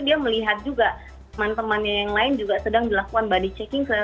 dia melihat juga teman temannya yang lain juga sedang dilakukan body checking